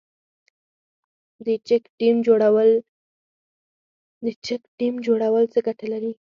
د چک ډیم جوړول څه ګټه لري؟